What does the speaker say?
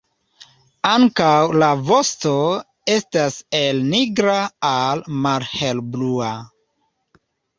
Ankaŭ la vosto estas el nigra al malhelblua.